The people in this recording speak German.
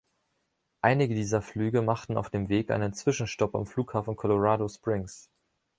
Einige dieser Flüge machten auf dem Weg einen Zwischenstopp am Flughafen Colorado Springs.